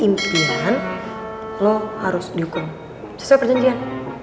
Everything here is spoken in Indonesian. ip dua puluh impian lo harus dihukum sesuai perjanjian